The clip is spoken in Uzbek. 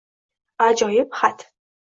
Ajoyib xat